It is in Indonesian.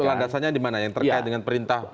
itu landasannya dimana yang terkait dengan perintah